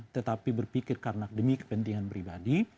tetapi berpikir karena demi kepentingan pribadi